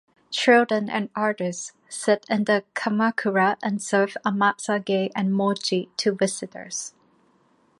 Children and others sit in the kamakura and serve "amazake" and "mochi" to visitors.